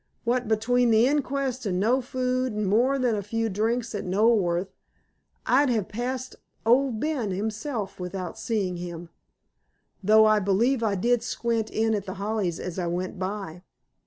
What between the inquest, an' no food, an' more than a few drinks at Knoleworth, I'd have passed Owd Ben himself without seeing him, though I believe I did squint in at The Hollies as I went by."